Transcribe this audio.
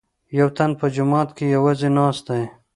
یوتن په جومات کې یوازې ناست دی.